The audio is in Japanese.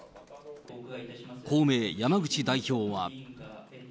公明、山口代表は。